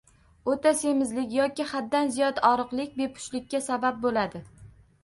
O‘ta semizlik yoki haddan ziyod oriqlik bepushtlikka sabab bo‘ladi.